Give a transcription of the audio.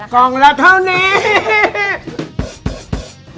กล่องละท่อเนี้ย